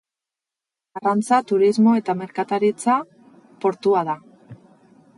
Arrantza, turismo eta merkataritza portua da.